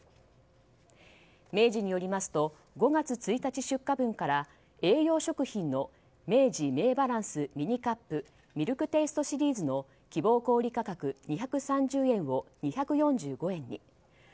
明治によりますと５月１日出荷分から栄養食品の明治メイバランスＭｉｎｉカップミルクテイストシリーズの希望小売価格２３０円を２４５円に。